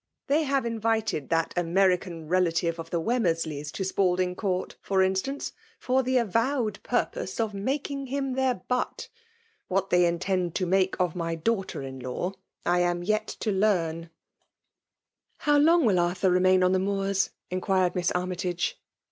They have invited that American relative of the Wem mersleys to Spalding Court, for instance, for the avowed purpose of making him their butt ; what they intend to make of my daughter in law, I am yet to learn. L 2 220 FEMALE UOMINATION. ." How long will Arthur remain on the Moors ?" inquired Miss Army tage.